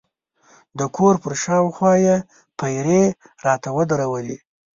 د کور پر شاوخوا یې پیرې راته ودرولې.